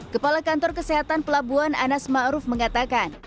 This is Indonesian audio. kepala kantor kesehatan pelabuhan anas ma'ruf mengatakan